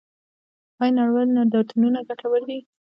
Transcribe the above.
آیا نړیوال نندارتونونه ګټور دي؟